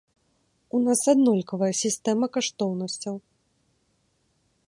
У нас аднолькавая сістэма каштоўнасцяў.